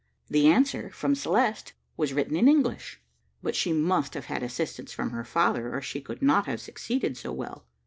The answer from Celeste was written in English; but she must have had assistance from her father, or she could not have succeeded so well.